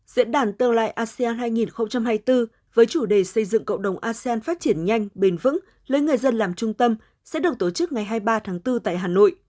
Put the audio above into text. diễn đàn tương lai asean hai nghìn hai mươi bốn với chủ đề xây dựng cộng đồng asean phát triển nhanh bền vững lấy người dân làm trung tâm sẽ được tổ chức ngày hai mươi ba tháng bốn tại hà nội